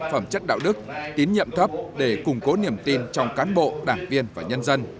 phẩm chất đạo đức tín nhiệm thấp để củng cố niềm tin trong cán bộ đảng viên và nhân dân